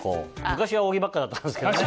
昔は小木ばっかだったんですけどね。